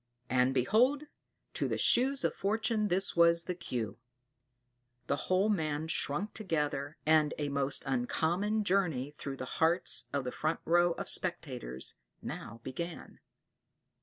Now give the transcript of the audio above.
And behold! to the Shoes of Fortune this was the cue; the whole man shrunk together and a most uncommon journey through the hearts of the front row of spectators, now began.